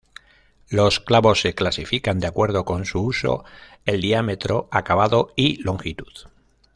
Los clavos se clasifican de acuerdo con su uso, el diámetro, acabado y longitud.